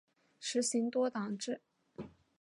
实行多党制。